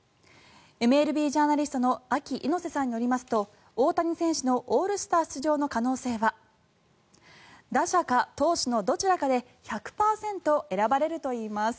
ＭＬＢジャーナリストのＡＫＩ猪瀬さんによりますと大谷選手のオールスター出場の可能性は打者か投手のどちらかで１００％選ばれるといいます。